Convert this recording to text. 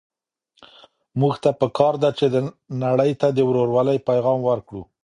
موږ ته په کار ده چي نړۍ ته د ورورولۍ پيغام ورکړو.